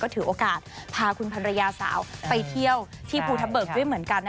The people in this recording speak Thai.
ถือโอกาสพาคุณภรรยาสาวไปเที่ยวที่ภูทะเบิกด้วยเหมือนกัน